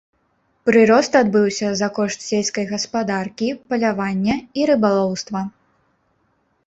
Прырост адбыўся за кошт сельскай гаспадаркі, палявання і рыбалоўства.